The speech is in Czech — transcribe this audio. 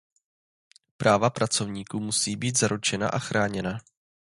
Práva pracovníků musí být zaručena a chráněna.